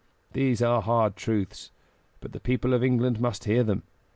These are hard truths, but the people of England must hear them.